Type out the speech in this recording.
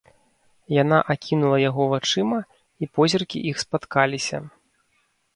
Яна акінула яго вачыма, і позіркі іх спаткаліся.